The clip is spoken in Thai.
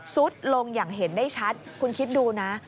สุดลงอย่างเห็นได้ชัดคุณคิดดูนะ